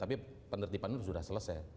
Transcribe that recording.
tapi penertipan itu sudah selesai